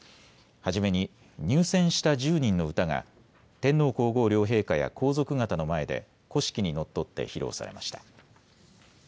初めに入選した１０人の歌が天皇皇后両陛下や皇族方の前で古式にのっとって披露されました。